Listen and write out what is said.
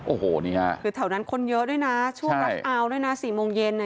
โอ้โหนี่ฮะคือแถวนั้นคนเยอะด้วยนะช่วงรับอัลด้วยนะสี่โมงเย็นเนี่ย